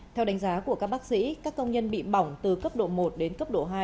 theo đánh giá của các bác sĩ các công nhân bị bỏng từ cấp độ một đến cấp độ hai